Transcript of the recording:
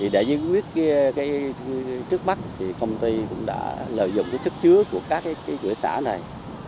để giải quyết trước mắt công ty cũng đã lợi dụng sức chứa của các cửa xã này